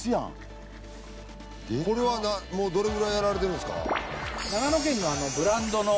海譴もうどれぐらいやられてるんですか？